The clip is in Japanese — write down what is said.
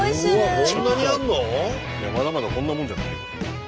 まだまだこんなもんじゃないよ。